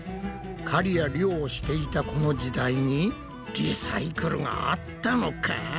狩りや漁をしていたこの時代にリサイクルがあったのか！？